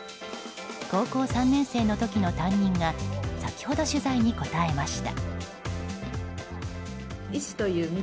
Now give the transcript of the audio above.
高校３年生の時の担任が先ほど、取材に答えました。